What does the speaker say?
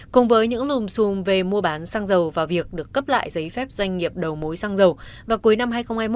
cùng với những lùm xùm về mua bán xăng dầu và việc được cấp lại giấy phép doanh nghiệp đầu mối xăng dầu vào cuối năm hai nghìn hai mươi